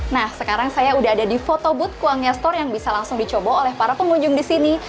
nah sekarang saya udah ada di photo booth kuangnya store yang bisa langsung dicoba oleh para pengunjung di sini